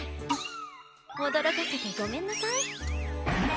おどろかせてごめんなさい。